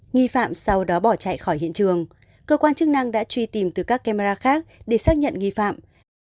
nghi phạm sau đó bỏ chạy khỏi hiện trường cơ quan chức năng đã truy tìm từ các camera khác để xác nhận nghi phạm